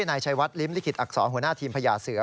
นายชัยวัดลิ้มลิขิตอักษรหัวหน้าทีมพญาเสือ